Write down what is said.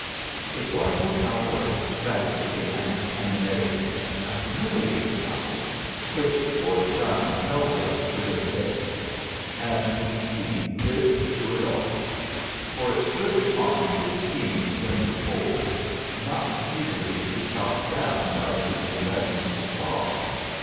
It was an hour of strategy and cannonade, a humiliating hour, which Fort Brown tells of to this day; and the tepee lived through it all. For it stood upon fifteen slender poles, not speedily to be chopped down by shooting lead from afar.